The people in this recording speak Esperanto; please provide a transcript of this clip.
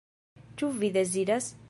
Ĉu vi deziras?